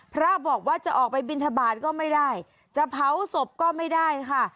พระบอกว่าจะออกไปบินทบาทก็ไม่ได้จะเผาศพก็ไม่ได้ค่ะ